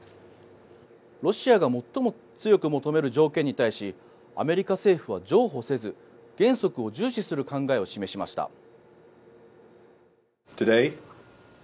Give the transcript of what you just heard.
ロシアが最も強く求める条件に対しアメリカ政府は譲歩せず原則を重視する考えを示しました。